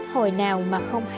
hồi nào mà không hẹn